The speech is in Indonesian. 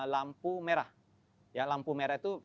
lampu merah ya lampu merah itu